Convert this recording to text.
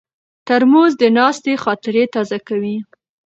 ترموز د ناستې خاطرې تازه کوي.